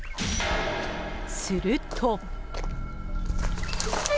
すると。